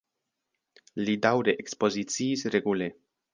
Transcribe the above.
Li daŭre ekspoziciis regule.